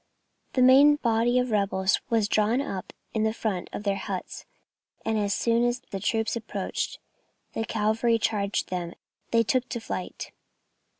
The main body of the rebels was drawn up in front of their huts, and as soon as the troops approached, and the Cavalry charged them, they took to flight.